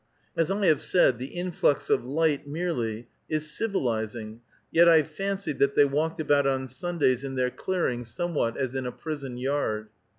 As I have said, the influx of light merely is civilizing, yet I fancied that they walked about on Sundays in their clearing somewhat as in a prison yard.